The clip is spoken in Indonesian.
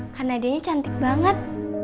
karena dia nya cantik banget